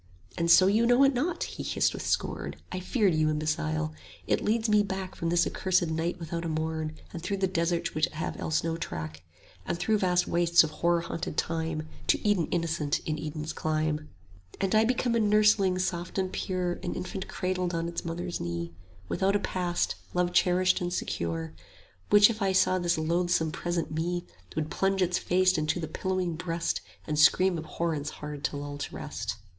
And so you know it not! he hissed with scorn; 55 I feared you, imbecile! It leads me back From this accursed night without a morn, And through the deserts which have else no track, And through vast wastes of horror haunted time, To Eden innocence in Eden's clime: 60 And I become a nursling soft and pure, An infant cradled on its mother's knee, Without a past, love cherished and secure; Which if it saw this loathsome present Me, Would plunge its face into the pillowing breast, 65 And scream abhorrence hard to lull to rest.